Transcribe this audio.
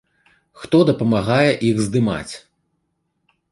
Хто дапамагае іх здымаць?